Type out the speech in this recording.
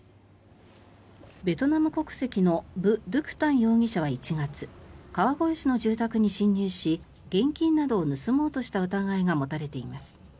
ベトナム国籍のブ・ドゥク・タン容疑者は１月川越市の住宅に侵入し現金などを盗もうとした疑いが持たれています。